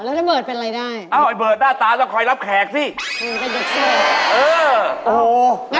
คเป็นที่ทุกอย่าง